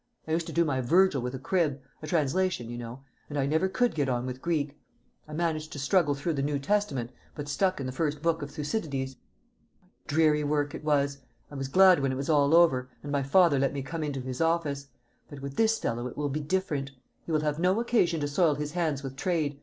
I used to do my Virgil with a crib a translation, you know and I never could get on with Greek. I managed to struggle through the New Testament, but stuck in the first book of Thucydides. What dreary work it was! I was glad when it was all over, and my father let me come into his office. But with this fellow it will be different. He will have no occasion to soil his hands with trade.